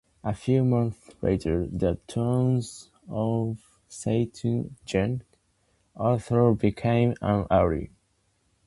A few months later, the town of Saint Gallen also became an ally.